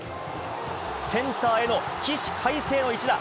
センターへの起死回生の一打。